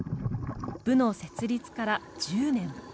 部の設立から１０年。